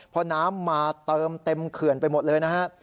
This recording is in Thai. เพราะน้ำมาเติมเต็มเขื่อนไปหมดเลยนะฮะ